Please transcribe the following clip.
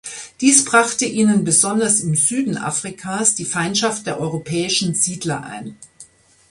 Dies brachte ihnen besonders im Süden Afrikas die Feindschaft der europäischen Siedler ein.